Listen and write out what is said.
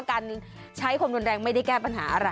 การใช้ความรุนแรงไม่ได้แก้ปัญหาอะไร